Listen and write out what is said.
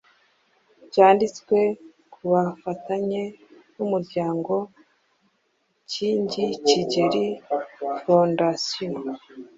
cyanditswe ku bufatanye n’Umuryango Kingi Kigeli Foundasiyo,